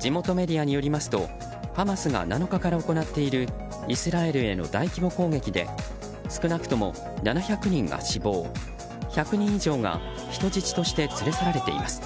地元メディアによりますとハマスが７日から行っているイスラエルへの大規模攻撃で少なくとも７００人が死亡１００人以上が人質として連れ去られています。